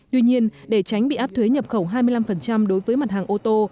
tuy nhiên để tránh bị áp thuế nhập khẩu hai mươi năm đối với mặt hàng ô tô